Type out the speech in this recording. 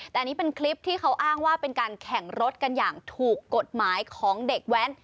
แต่อันนี้เป็นคลิปที่เขาอ้างว่าเป็นการแข่งรถกันอย่างถูกกฎหมายของเด็กแว้น